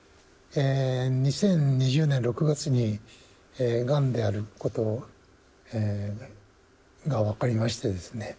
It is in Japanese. ２０２０年６月にがんであることが分かりましてですね。